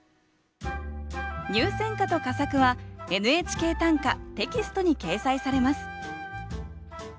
入選歌と佳作は「ＮＨＫ短歌」テキストに掲載されます